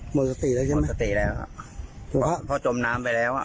หมดสติแล้วใช่ไหมหมดสติแล้วครับเพราะจมน้ำไปแล้วอ่ะ